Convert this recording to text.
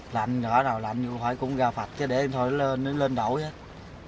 lạnh rõ nào lạnh cũng phải cũng ra phạch chứ để thôi nó lên đổ chứ